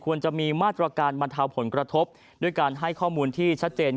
จะมีมาตรการบรรเทาผลกระทบด้วยการให้ข้อมูลที่ชัดเจน